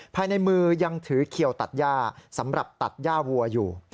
ภายในมือยังถือเขียวตัดย่าสำหรับตัดย่าวัวอยู่